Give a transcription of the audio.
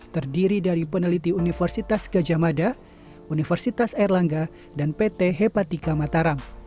terdiri dari peneliti universitas gajah mada universitas erlangga dan pt hepatika mataram